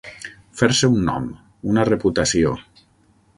Fer-se un nom, una reputació.